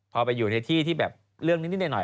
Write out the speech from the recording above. พอไปอยู่ในที่ที่แบบเรื่องนิดหน่อย